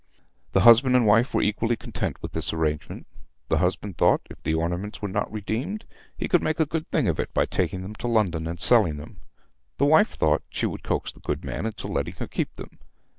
The husband and wife were equally content with this arrangement. The husband thought, if the ornaments were not redeemed, he could make a good thing of it by taking them to London and selling them. The wife thought she would coax the good man into letting her keep them.